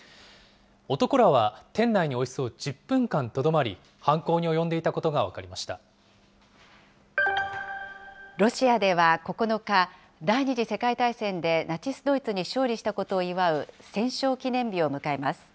男らは店内におよそ１０分間とどまり、犯行に及んでいたことが分ロシアでは９日、第２次世界大戦でナチス・ドイツに勝利したことを祝う戦勝記念日を迎えます。